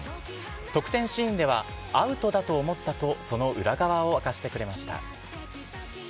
得点シーンでは、アウトだと思ったと、その裏側を明かしてくれました。